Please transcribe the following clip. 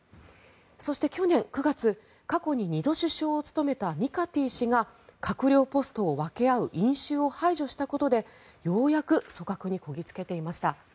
そして去年９月過去に２度首相を務めたミカティ氏が閣僚ポストを分け合う因習を排除したことでようやく組閣にこぎつけていました。